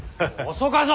遅かぞ！